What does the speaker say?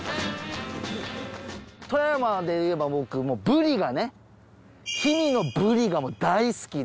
富山でいえば僕もうブリがね氷見のブリがもう大好きで。